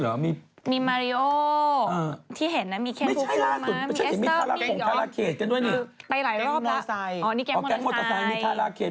โอ๊ะนี่แกงโรดอันไทย